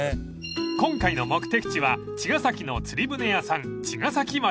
［今回の目的地は茅ヶ崎の釣り船屋さんちがさき丸］